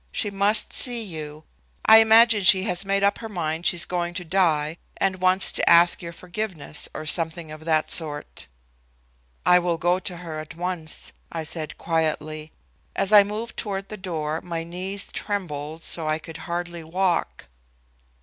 She must see you. I imagine she has made up her mind she's going to die and wants to ask your forgiveness or something of that sort." "I will go to her at once," I said quietly. As I moved toward the door my knees trembled so I could hardly walk.